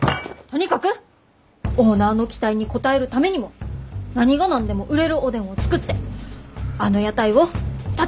とにかくオーナーの期待に応えるためにも何が何でも売れるおでんを作ってあの屋台を立て直さんとヤッサー！